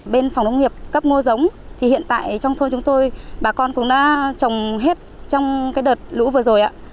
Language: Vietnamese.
bên phòng nông nghiệp cấp ngô giống thì hiện tại trong thôn chúng tôi bà con cũng đã trồng hết trong cái đợt lũ vừa rồi ạ